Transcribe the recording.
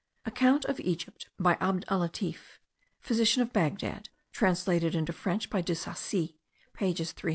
Account of Egypt by Abd allatif, physician of Bagdad, translated into French by De Sacy pages 360 to 374.)